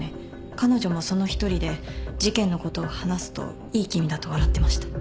彼女もその一人で事件のことを話すといい気味だと笑ってました。